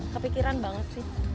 kepikiran banget sih